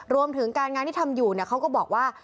รวมถึงการงานที่ทำอยู่เขาก็บอกว่า